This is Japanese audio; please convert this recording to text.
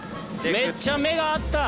めっちゃ目が合ってる。